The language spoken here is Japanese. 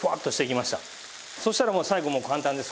そしたら最後もう簡単です。